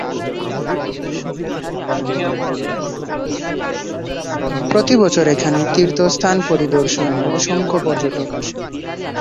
প্রতিবছর এখানে তীর্থস্থান পরিদর্শনে অসংখ্য পর্যটক আসেন।